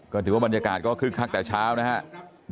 ก็ถือว่าบรรยากาศก็คึกคักแต่เช้านะครับ